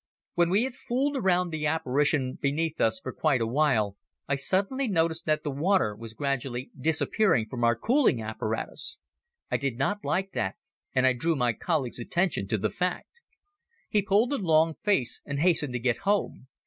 When we had fooled around the apparition beneath us for quite a while I suddenly noticed that the water was gradually disappearing from our cooling apparatus. I did not like that and I drew my colleague's attention to the fact. He pulled a long face and hastened to get home.